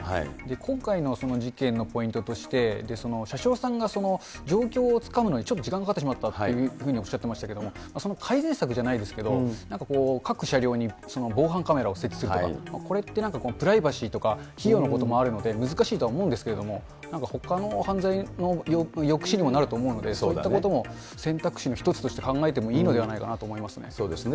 今回の事件のポイントとして、車掌さんが状況をつかむのにちょっと時間がかかってしまったというふうにおっしゃってましたけれども、その改善策じゃないですけど、なんか各車両に防犯カメラを設置するとか、これってなんか、プライバシーとか費用のこともあるので、難しいとは思うんですけれども、なんかほかの犯罪の抑止にもなると思うので、そういったことも選択肢の一つとして考えてもいいのではないかなと思いますね。